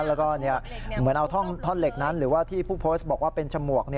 แล้วก็เหมือนเอาท่อนเหล็กนั้นหรือว่าที่ผู้โพสต์บอกว่าเป็นฉมวก